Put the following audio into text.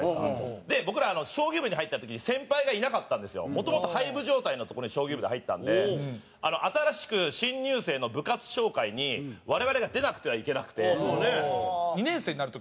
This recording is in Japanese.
もともと廃部状態のところに将棋部で入ったんで新しく新入生の部活紹介に我々が出なくてはいけなくて。